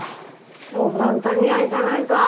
そう簡単にはいかないか。